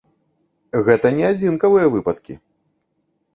Гэта не адзінкавыя выпадкі!